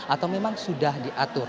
atau memang sudah diatur